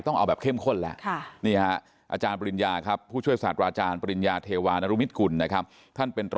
สองคนนี้ก็ก่อเหตุเอง